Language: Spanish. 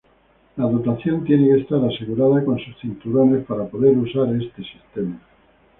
La dotación tiene que estar asegurada con sus cinturones para poder usar este sistema.